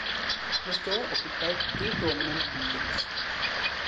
The store occupied two prominent buildings.